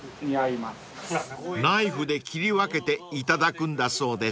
［ナイフで切り分けていただくんだそうです］